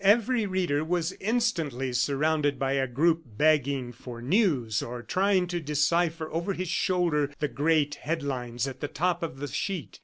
Every reader was instantly surrounded by a group begging for news or trying to decipher over his shoulder the great headlines at the top of the sheet.